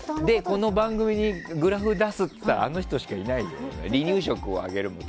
この番組にグラフ出すっていったら、あの人しかいないです。